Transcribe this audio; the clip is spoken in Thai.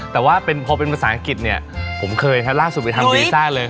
แต่ว่าพอเป็นภาษาอังกฤษเนี่ยผมเคยล่าสุดไปทำวีซ่าเลย